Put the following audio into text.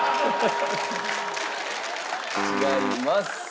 違います。